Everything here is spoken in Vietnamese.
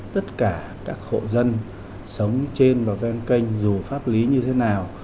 tất cả các hộ dân sống trên và ven kênh dù pháp lý như thế nào